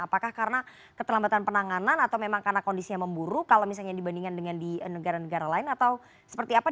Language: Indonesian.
apakah karena keterlambatan penanganan atau memang karena kondisinya memburuk kalau misalnya dibandingkan dengan di negara negara lain atau seperti apa